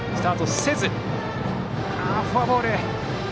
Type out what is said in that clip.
フォアボール。